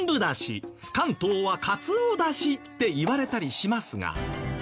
関東はカツオ出汁っていわれたりしますが。